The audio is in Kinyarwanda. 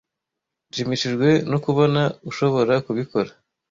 Nshimishijwe no kubona ushobora kubikora.